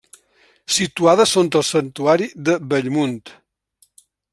Situada sota el santuari de Bellmunt.